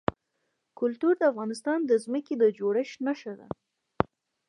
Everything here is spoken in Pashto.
کلتور د افغانستان د ځمکې د جوړښت نښه ده.